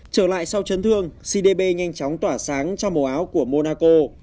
trở lại sau chấn thương cdb nhanh chóng tỏa sáng trong màu áo của monaco